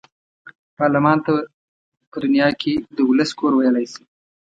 پارلمان ته په دنیا کې د ولس کور ویلای شي.